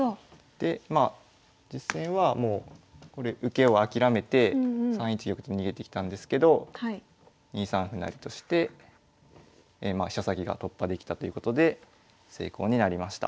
でまあ実戦はもう受けを諦めて３一玉と逃げてきたんですけど２三歩成として飛車先が突破できたということで成功になりました。